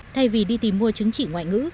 thay vì đi tìm mua chứng chỉ ngoại ngữ